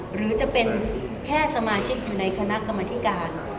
หรือจะเป็นแค่สมาชิกอยู่ในคณะกรรมธิการ